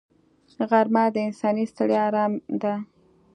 غرمه د انساني ستړیا آرام دی